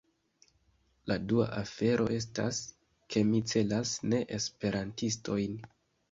La dua afero estas, ke mi celas ne-Esperantistojn.